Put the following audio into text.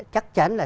chắc chắn là